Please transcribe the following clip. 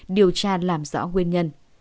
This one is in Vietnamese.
điều tra làm rõ nguyên nhân